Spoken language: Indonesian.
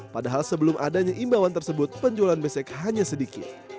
padahal sebelum adanya imbauan tersebut penjualan besek hanya sedikit